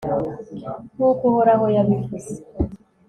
nk'uko uhoraho yabivuze